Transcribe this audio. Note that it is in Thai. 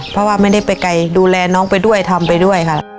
เพราะว่าไม่ได้ไปไกลดูแลน้องไปด้วยทำไปด้วยค่ะ